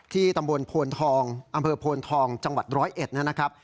ตำบลโพนทองอำเภอโพนทองจังหวัด๑๐๑นะครับ